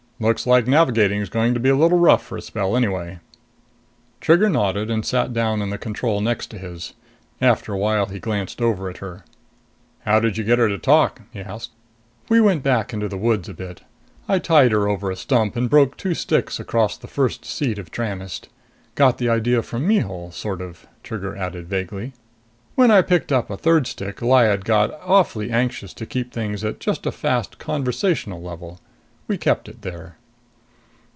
Looks like navigating's going to be a little rough for a spell anyway." Trigger nodded and sat down in the control next to his. After a while he glanced over at her. "How did you get her to talk?" he asked. "We went back into the woods a bit. I tied her over a stump and broke two sticks across the first seat of Tranest. Got the idea from Mihul sort of," Trigger added vaguely. "When I picked up a third stick, Lyad got awfully anxious to keep things at just a fast conversational level. We kept it there."